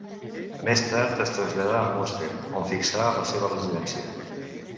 Més tard es traslladà a Munster on fixà la seva residència.